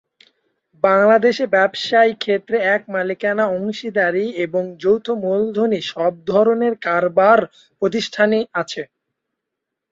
বাংলাদেশে ব্যবসায় ক্ষেত্রে এক মালিকানা, অংশীদারি এবং যৌথমূলধনী সব ধরনের কারবার প্রতিষ্ঠানই আছে